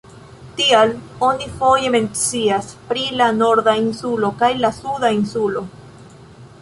Tial oni foje mencias pri la Norda Insulo kaj la Suda Insulo.